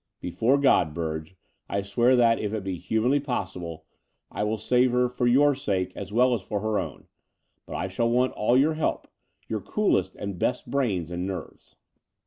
Before God, Bturge, I swear that, if it be humanly possible, I will save her for your sake as well as for her own: but I shall want all your help — ^your coolest and best brains and nerves."